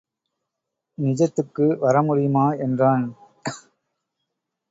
நிஜத்துக்கு வரமுடியுமா? என்றான்.